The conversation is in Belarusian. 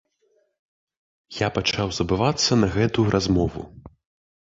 Я пачаў забывацца на гэтую размову.